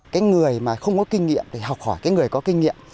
cái người mà không có kinh nghiệm thì học hỏi cái người có kinh nghiệm